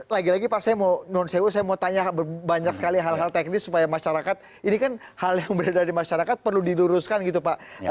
lagi lagi pak saya mau non sewo saya mau tanya banyak sekali hal hal teknis supaya masyarakat ini kan hal yang berada di masyarakat perlu diluruskan gitu pak